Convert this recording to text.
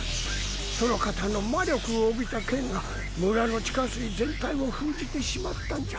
その方の魔力を帯びた剣が村の地下水全体を封じてしまったんじゃ。